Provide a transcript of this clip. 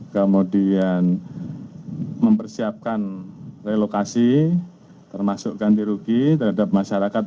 kemudian mempersiapkan relokasi termasuk ganti rugi terhadap masyarakat